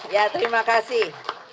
ya terima kasih